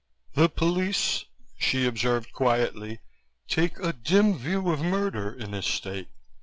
"The police," she observed quietly, "take a dim view of murder in this state.